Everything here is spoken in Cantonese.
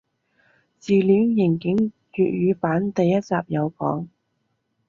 自戀刑警粵語版第一集有講